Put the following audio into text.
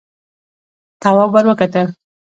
تواب ور وکتل: